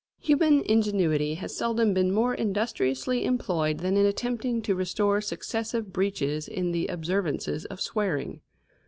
Human ingenuity has seldom been more industriously employed than in attempting to restore successive breaches in the observances of swearing.